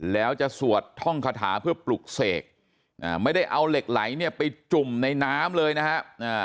แล้วจะสวดท่องคาถาเพื่อปลุกเสกไม่ได้เอาเหล็กไหลเนี่ยไปจุ่มในน้ำเลยนะครับ